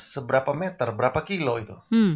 seberapa meter berapa kilo itu